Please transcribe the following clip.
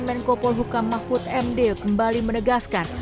menko polhukam mahfud md kembali menegaskan